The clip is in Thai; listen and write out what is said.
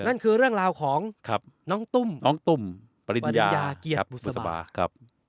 นั่นคือเรื่องราวของน้องตุ้มปริญญาเกียรติบุษบา